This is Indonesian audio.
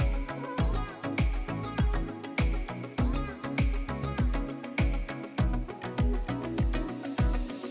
nah kita penuh putang